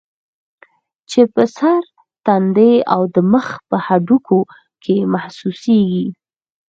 چې پۀ سر ، تندي او د مخ پۀ هډوکو کې محسوسيږي